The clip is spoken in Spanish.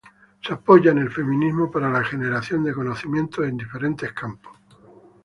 Se apoya en el feminismo para la generación de conocimiento en diferentes campos.